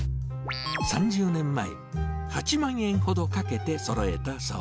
３０年前、８万円ほどかけてそろえたそう。